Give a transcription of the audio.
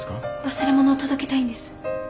忘れ物を届けたいんです。